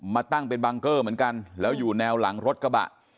มาตั้งเป็นบังเกอร์เหมือนกันแล้วอยู่แนวหลังรถกระบะ